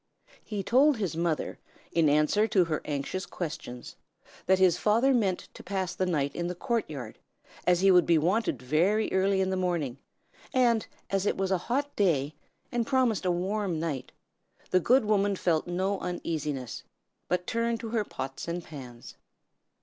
He told his mother, in answer to her anxious questions, that his father meant to pass the night in the court yard, as he would be wanted very early in the morning; and as it was a hot day, and promised a warm night, the good woman felt no uneasiness, but turned again to her pots and pans.